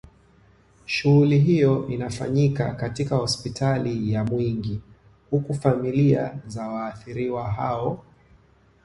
Shugli hiyo inafanyika katika hospitali ya Mwingi huku familia za waathiriwa hao